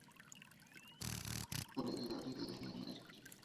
Fue gregario de Eddy Merckx.